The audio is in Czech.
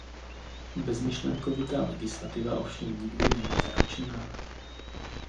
Bezmyšlenkovitá legislativa ovšem nikdy není zaručená.